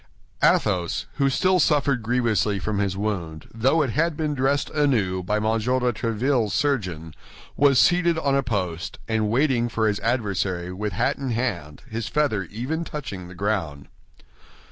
Athos, who still suffered grievously from his wound, though it had been dressed anew by M. de Tréville's surgeon, was seated on a post and waiting for his adversary with hat in hand, his feather even touching the ground.